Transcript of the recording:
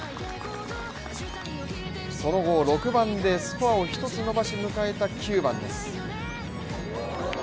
その後６番でスコアを一つ伸ばし、迎えた９番。